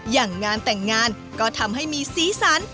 อย่างงานแต่งงานก็ทำให้มีสีสัน